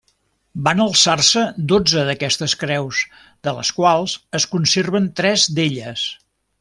Van alçar-se dotze d'aquestes creus, de les quals es conserven tres d'elles.